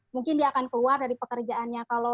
mungkin dia akan keluar dari pekerjaannya